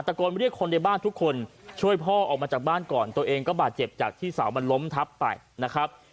โกนเรียกคนในบ้านทุกคนช่วยพ่อออกมาจากบ้านก่อนตัวเองก็บาดเจ็บจากที่สาวมันล้มทับไปนะครับ